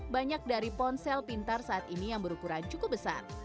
banyak dari ponsel pintar saat ini yang berukuran cukup besar